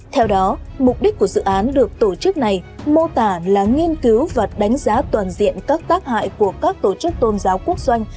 theo đó mục đích của dự án được tổ chức này mô tả là nghiên cứu và đánh giá toàn diện các tác hại của các tổ chức tôn giáo quốc doanh